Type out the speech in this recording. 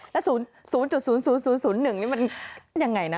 แล้ว๐๐๑นี่มันยังไงนะ